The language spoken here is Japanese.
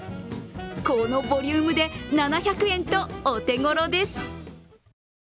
このボリュームで７００円とお手頃です。